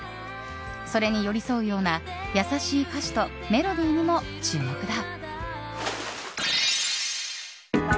それに寄り添うような優しい歌詞とメロディーにも注目だ。